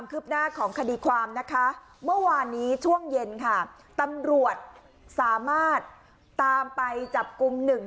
เมื่อวานนี้ช่วงเย็นค่ะตำรวจสามารถตามไปจับกลุ่มหนึ่ง